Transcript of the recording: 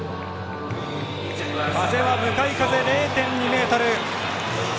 風は向かい風０．２メートル。